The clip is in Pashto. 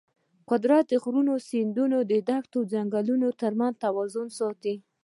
قدرت د غرونو، سیندونو، دښتو او ځنګلونو ترمنځ توازن ساتي.